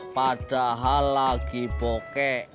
padahal lagi bokeh